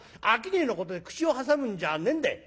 商いのことで口を挟むんじゃねえんだ。